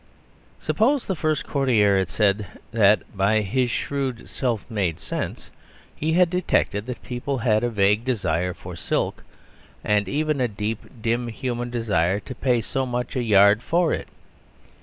Suppose the first courtier had said that, by his shrewd, self made sense, he had detected that people had a vague desire for silk; and even a deep, dim human desire to pay so much a yard for it!